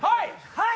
はい！